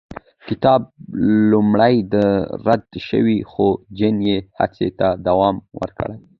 کتاب لومړی رد شو، خو جین یې هڅې ته دوام ورکړ.